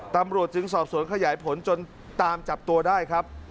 ตำรวจจึงสอบสวนขยายผลจนตามจับตัวได้ครับ